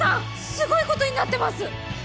すごいことになってます！